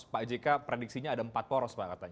pak jk prediksinya ada empat poros pak katanya